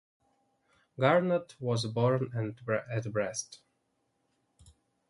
Garnot was born at Brest.